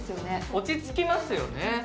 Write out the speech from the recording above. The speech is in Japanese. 落ち着きますよね。